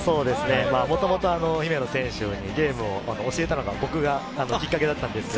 もともと姫野選手にゲームを教えたのが僕がきっかけだったんですよ。